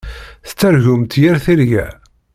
Tettargumt yir tirga.